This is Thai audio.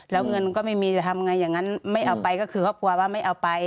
แล้วเงินก็ไม่มีจะทำไงอย่างนั้นไม่เอาไปก็คือครอบครัวว่าไม่เอาไป